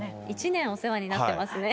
１年お世話になってますね。